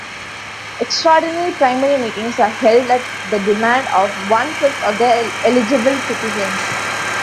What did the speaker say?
Extraordinary primary meetings are held at the demand of one-fifth of the eligible citizens.